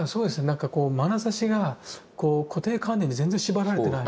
なんこうまなざしがこう固定観念に全然縛られてない。